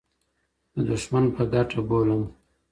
د دښمن په ګټه بولم.